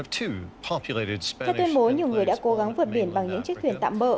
theo tuyên bố nhiều người đã cố gắng vượt biển bằng những chiếc thuyền tạm bỡ